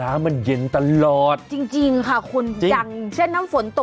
แต่ไม่ทันได้ขึ้นสะพาน